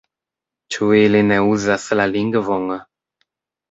Ĉu ili ne uzas la lingvon?